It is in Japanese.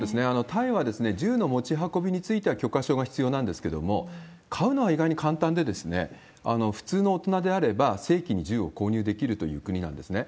タイは銃の持ち運びについては許可証が必要なんですけれども、買うのは意外に簡単で、普通の大人であれば、正規に銃を購入できるという国なんですね。